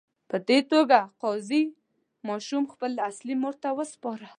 په دې توګه قاضي ماشوم خپلې اصلي مور ته وسپاره.